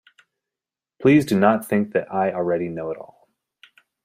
Please do not think that I already know it all.